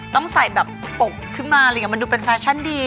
ต้องใส่แบบปกขึ้นมามันดูเป็นแฟชั่นดี